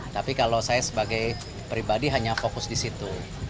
tapi kalau saya sebagai pribadi hanya fokus disitu